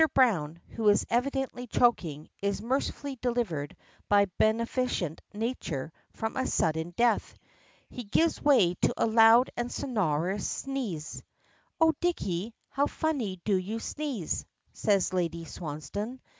Browne, who is evidently choking, is mercifully delivered by beneficent nature from a sudden death. He gives way to a loud and sonorous sneeze. "Oh, Dicky! How funny you do sneeze," says Lady Swansdown.